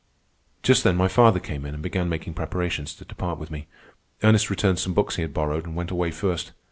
Just then my father came in and began making preparations to depart with me. Ernest returned some books he had borrowed, and went away first.